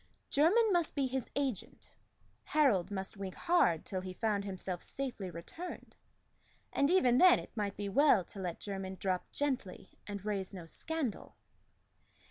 Jermyn must be his agent; Harold must wink hard till he found himself safely returned; and even then it might be well to let Jermyn drop gently and raise no scandal.